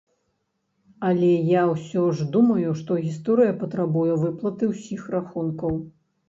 Але я ўсё ж думаю, што гісторыя патрабуе выплаты ўсіх рахункаў.